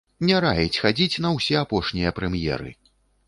Не раіць хадзіць на ўсе апошнія прэм'еры!